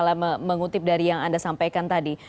kalau misalnya mengutip dari yang anda sampaikan tadi